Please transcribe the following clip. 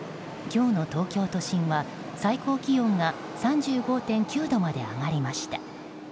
今日の東京都心は最高気温が３５．９度まで上がりました。